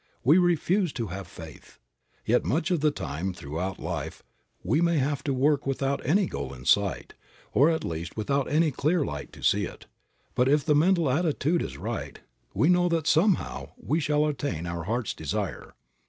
We refuse to have faith. Yet much of the time throughout life we may have to work without any goal in sight, or at least without any clear light to see it, but if the mental attitude is right we know that, somehow, we shall attain our heart's desire.